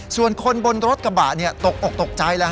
ส่วนคนบนรถกระบะเนี่ยตกออกตกใจ